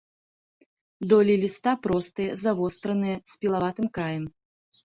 Долі ліста простыя, завостраныя, з пілаватым краем.